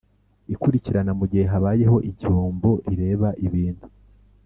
Ikurikirana mu gihe habayeho igihombo rireba ibintu